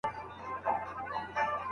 چي هر چا د سرو او سپینو پیمانې دي درلودلي